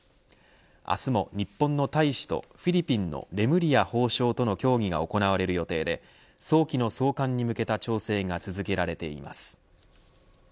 明日も日本の大使とフィリピンのレムリヤ法相との協議が行われる予定で早期の送還に向けた調整が続けられています。